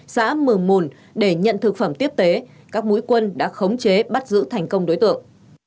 xã mường mùn để nhận thực phẩm tiếp tế các mũi quân đã khống chế bắt giữ thành công đối tượng